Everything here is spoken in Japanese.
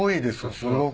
すごく。